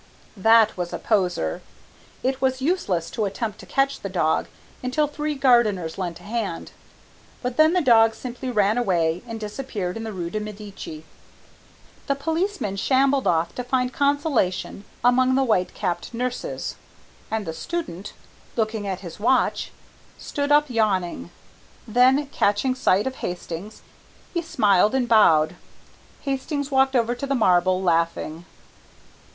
That was a poser. It was useless to attempt to catch the dog until three gardeners lent a hand, but then the dog simply ran away and disappeared in the rue de Medici. The policeman shambled off to find consolation among the white capped nurses, and the student, looking at his watch, stood up yawning. Then catching sight of Hastings, he smiled and bowed. Hastings walked over to the marble, laughing.